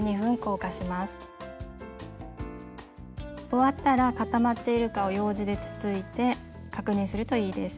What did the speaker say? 終わったら固まっているかをようじでつついて確認するといいです。